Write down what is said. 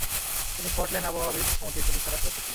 তিনি স্কটল্যান্ড আবহাওয়াবিদ সমিতির প্রতিষ্ঠাতা সদস্য ছিলেন।